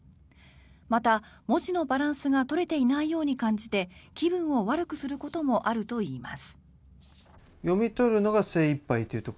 また、文字のバランスが取れていないように感じて気分を悪くすることもあるといいます。